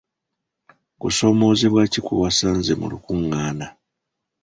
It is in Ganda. Kusoomozebwa ki kwe wasanze mu lukungaana?